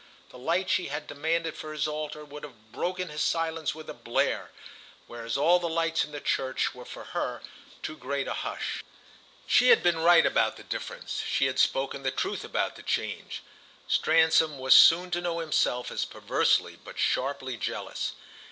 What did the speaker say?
The light she had demanded for his altar would have broken his silence with a blare; whereas all the lights in the church were for her too great a hush. She had been right about the difference—she had spoken the truth about the change: Stransom was soon to know himself as perversely but sharply jealous.